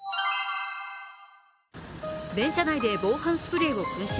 電車内で防犯スプレーを噴射。